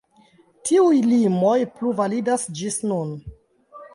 Tiuj limoj plu validas ĝis nun.